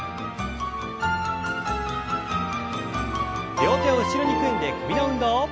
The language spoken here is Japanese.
両手を後ろに組んで首の運動。